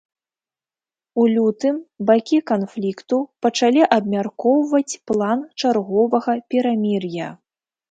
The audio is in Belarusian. У лютым бакі канфлікту пачалі абмяркоўваць план чарговага перамір'я.